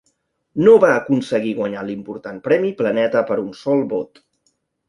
No va aconseguir guanyar l'important Premi Planeta per un sol vot.